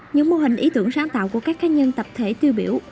những mô hình ý tưởng sáng tạo của các cá nhân tập thể tiêu biểu